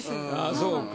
そうか。